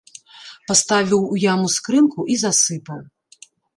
Паставіў у яму скрынку і засыпаў.